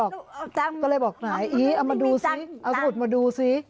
ก็เลยบอกไหนอี๋เอาสมุดมาดูซิ